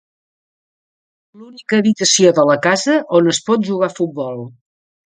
L'única habitació de la casa on es pot jugar a futbol.